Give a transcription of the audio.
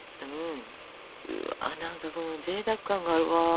うわ何かぜいたく感があるわ。